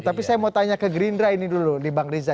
tapi saya mau tanya ke gerindra ini dulu di bang riza